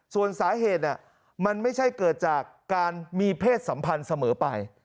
ส่วนสาเหตุมันไม่ใช่เกิดจากการมีเพศสัมพันธ์เสมอไป